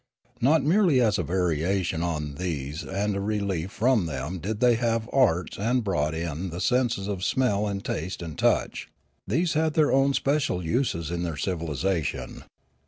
Not merely as a variation on these and a relief from them did they have arts that brought in the senses of smell and taste and touch; these had their own special uses in their civilisation.